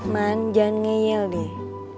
man jangan ngeyel deh